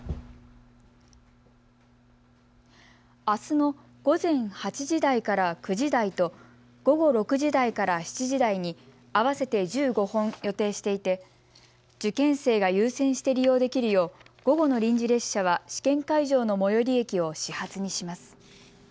あすの午前８時台から９時台と午後６時台から７時台に、合わせて１５本予定していて受験生が優先して利用できるよう午後の臨時列車は試験会場の最寄り駅を始発にします。